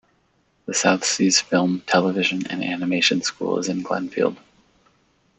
The South Seas Film, Television, and Animation school is in Glenfield.